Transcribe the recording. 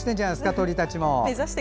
鳥たちも。